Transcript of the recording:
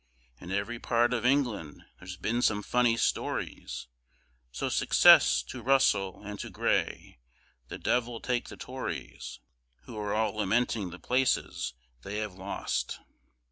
In every part of England there's been some funny stories So success to Russell & to Grey, the devil take the Tories, Who are all lamenting the places they have lost.